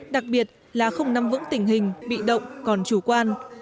đặc biệt là không nắm vững tình hình bị động còn chủ quan